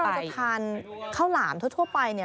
เราจะทานข้าวหลามทั่วไปเนี่ย